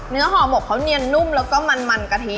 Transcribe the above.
ห่อหมกเขาเนียนนุ่มแล้วก็มันกะทิ